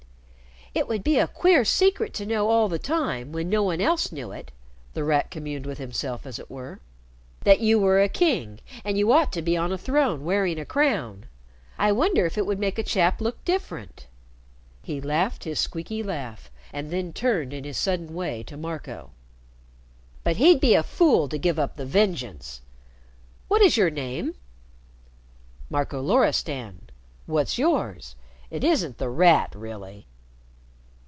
"It would be a queer secret to know all the time when no one else knew it," The Rat communed with himself as it were, "that you were a king and you ought to be on a throne wearing a crown. I wonder if it would make a chap look different?" He laughed his squeaky laugh, and then turned in his sudden way to Marco: "But he'd be a fool to give up the vengeance. What is your name?" "Marco Loristan. What's yours? It isn't The Rat really."